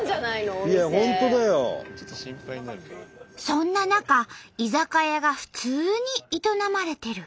そんな中居酒屋が普通に営まれてる。